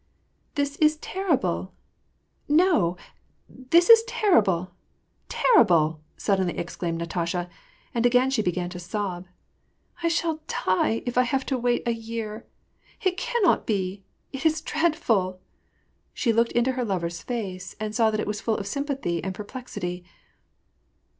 " This is terrible ! No : this is terrible, terrible !" suddenly exclaimed Natasha, and again she began to sob. " I shall die, if I have to wait a year : it cannot be, it is dreadful." She looked into her lover's face, and saw that it was full of sym pathy and perplexity.